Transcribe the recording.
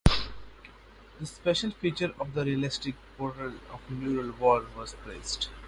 The special effects and realistic portrayal of nuclear war received praise.